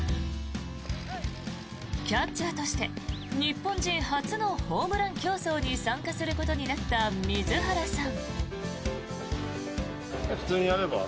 キャッチャーとして日本人初のホームラン競争に参加することになった水原さん。